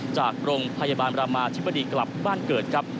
จากโรงพยาบาลบรามาธิบดีกลับบ้านเกิดครับ